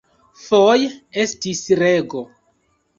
Foje estis rego.